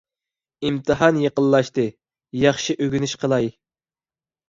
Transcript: ئىمتىھان يېقىنلاشتى. ياخشى ئۆگىنىش قىلاي